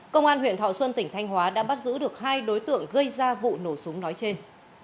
công an huyện thọ xuân tỉnh thanh hóa đã bắt giữ được hai đối tượng gây ra vụ nổ súng nói trên